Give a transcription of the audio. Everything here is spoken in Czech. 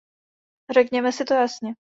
Řekněme si to jasně.